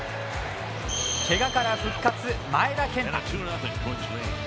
けがから復活、前田健太。